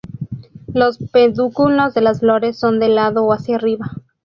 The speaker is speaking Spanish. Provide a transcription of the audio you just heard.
Los pedúnculos de las flores son de lado o hacia arriba.